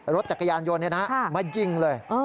รถจักรยานยนต์เนี่ยนะฮะมายิงเลย